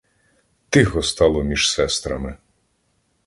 Тихо стало між сестрами.